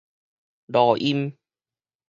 濁音